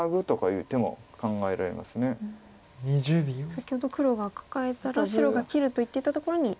先ほど黒がカカえたら白が切ると言っていたところに。